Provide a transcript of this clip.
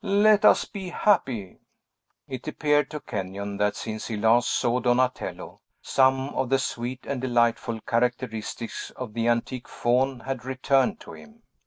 Let us be happy!" It appeared to Kenyon that since he last saw Donatello, some of the sweet and delightful characteristics of the antique Faun had returned to him.